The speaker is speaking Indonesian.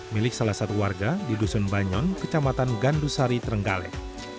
milik salah satu warga di dusun banyon kecamatan gandusari trenggalek